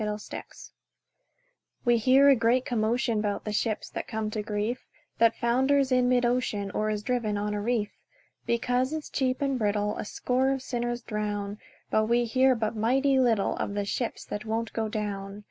0 Autoplay We hear a great commotion 'Bout the ship that comes to grief, That founders in mid ocean, Or is driven on a reef; Because it's cheap and brittle A score of sinners drown. But we hear but mighty little Of the ships that won't go down.